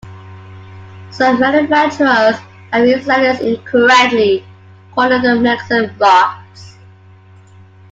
Some manufacturers and resellers incorrectly call them "magnesium" rods.